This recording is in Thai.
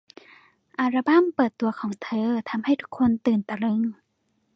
อัลบัมเปิดตัวของเธอทำให้ทุกคนตื่นตะลึง